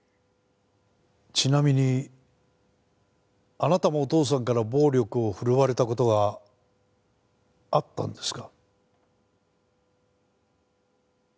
ちなみにあなたもお父さんから暴力を振るわれた事があったんですか？